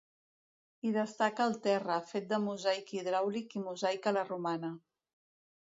Hi destaca el terra, fet de mosaic hidràulic i mosaic a la romana.